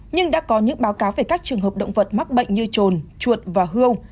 nhưng đã có những báo cáo về các trường hợp động vật mắc bệnh như trồn chuột và hương